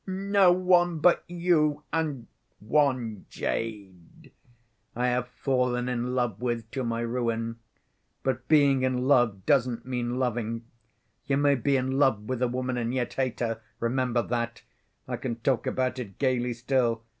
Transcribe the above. "No one but you and one 'jade' I have fallen in love with, to my ruin. But being in love doesn't mean loving. You may be in love with a woman and yet hate her. Remember that! I can talk about it gayly still.